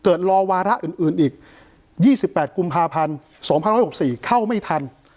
รอวาระอื่นอีก๒๘กุมภาพันธ์๒๑๖๔เข้าไม่ทัน